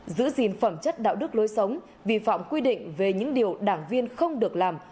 giữ gìn phẩm chất đạo đức lối sống vi phạm quy định về những điều đảng viên không được làm